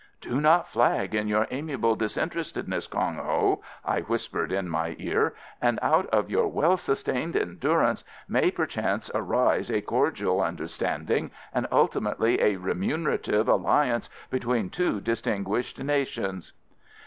"Do not flag in your amiable disinterestedness, Kong Ho," I whispered in my ear, "and out of your well sustained endurance may perchance arise a cordial understanding, and ultimately a remunerative alliance between two distinguished nations."